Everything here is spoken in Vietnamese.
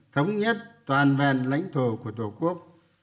thống nhất toàn vẹn lãnh thổ của tổ quốc